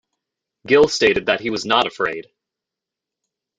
Gill stated that he was not afraid.